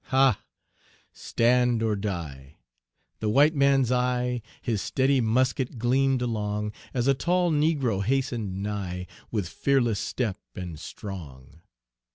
"Ha, stand or die!" The white man's eye His steady musket gleamed along, As a tall negro hastened nigh, With fearless step and strong.